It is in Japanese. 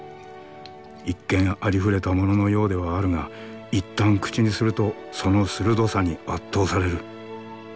一見ありふれたもののようではあるがいったん口にするとその鋭さに圧倒される。